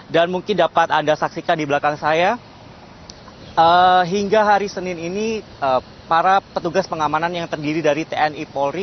dan mungkin dapat anda saksikan di belakang saya hingga hari senin ini para petugas pengamanan yang terdiri dari tni polri